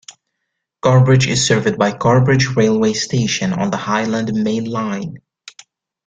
Carrbridge is served by Carrbridge railway station on the Highland Main Line.